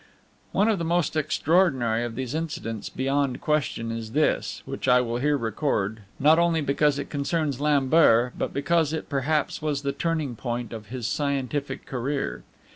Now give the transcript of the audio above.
One of the most extraordinary of these incidents beyond question is this, which I will here record, not only because it concerns Lambert, but because it perhaps was the turning point of his scientific career.